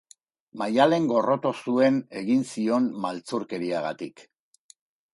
Maialen gorroto zuen egin zion maltzurkeriagatik.